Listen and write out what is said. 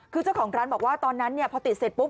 คือเจ้าของร้านบอกว่าตอนนั้นพอติดเสร็จปุ๊บ